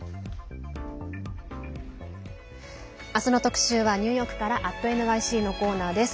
明日の特集はニューヨークから「＠ｎｙｃ」のコーナーです。